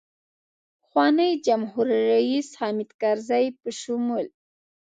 پخواني جمهورریس حامدکرزي په شمول.